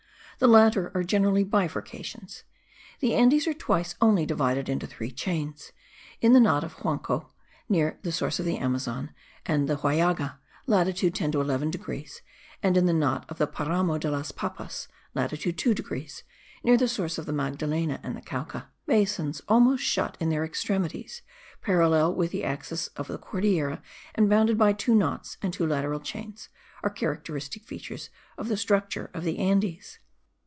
The latter are generally bifurcations. The Andes are twice only divided into three chains; in the knot of Huanuco, near the source of the Amazon, and the Huallaga (latitude 10 to 11 degrees) and in the knot of the Paramo de las Papas (latitude 2 degrees), near the source of the Magdalena and the Cauca. Basins, almost shut in at their extremities, parallel with the axis of the Cordillera and bounded by two knots and two lateral chains, are characteristic features of the structure of the Andes.